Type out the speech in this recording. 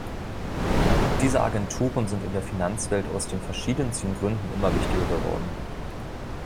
Diese Agenturen sind in der Finanzwelt aus den verschiedensten Gründen immer wichtiger geworden.